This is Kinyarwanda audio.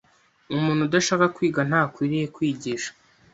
Umuntu udashaka kwiga ntakwiriye kwigisha